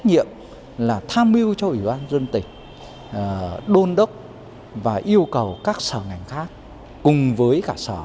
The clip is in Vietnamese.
trách nhiệm là tham mưu cho ủy ban dân tỉnh đôn đốc và yêu cầu các sở ngành khác cùng với cả sở